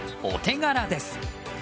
お手柄です。